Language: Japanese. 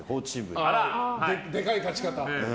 でかい勝ち方。